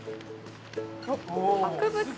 博物館。